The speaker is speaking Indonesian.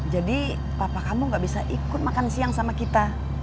jadi papa kamu gak bisa ikut makan siang sama kita